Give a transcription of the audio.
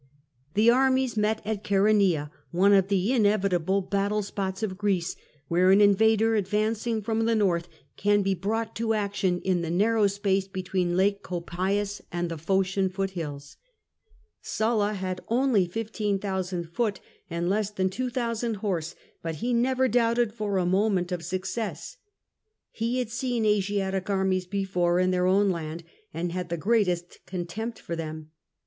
The armies met at Ohaeronea, one of the inevitable battle spots of Greece, where an invader advancing from the north can be brought to action in the narrow space between Lake Copais and the Phocian foot hills. Sulla had only 15,000 foot, and less than 2000 horse, but he never doubted for a moment of success. He had seen Asiatic armies before in their own land, and had the greatest contempt for them.